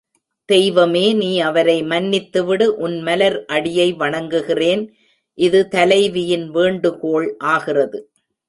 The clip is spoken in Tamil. தெய்வமே நீ அவரை மன்னித்துவிடு உன் மலர் அடியை வணங்குகிறேன் இது தலைவியின் வேண்டுகோள் ஆகிறது.